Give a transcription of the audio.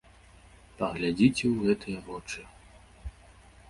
Паглядзіце ў гэтыя вочы!